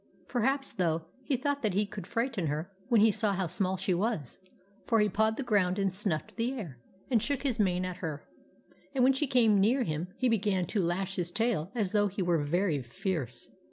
Perhaps, though, he thought that he could frighten her when he saw how small she was ; for he pawed the ground and snuffed the air, and shook his mane at her, and when she came near him he began to lash his tail as though he were very fierce.